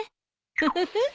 フフフ。